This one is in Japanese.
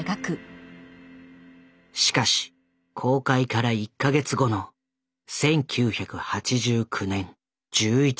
しかし公開から１か月後の１９８９年１１月６日。